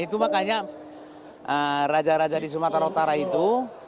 itu makanya raja raja di sumatera utara itu